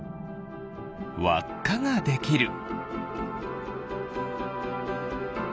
わっかができる。